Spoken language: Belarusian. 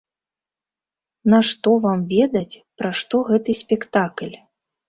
На што вам ведаць пра што гэты спектакль?